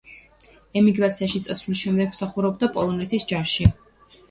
ემიგრაციაში წასვლის შემდეგ მსახურობდა პოლონეთის ჯარში.